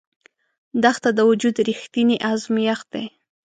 دښته د وجود رښتینی ازمېښت دی.